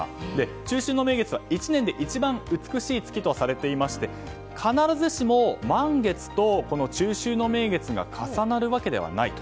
中秋の名月は１年で一番美しい月とされていまして必ずしも、満月と中秋の名月が重なるわけではないと。